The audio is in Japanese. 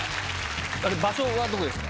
場所はどこですか？